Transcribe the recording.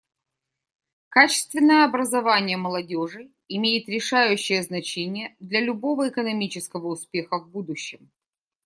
Качественное образование молодежи имеет решающее значение для любого экономического успеха в будущем.